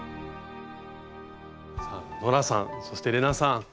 さあノラさんそして玲奈さん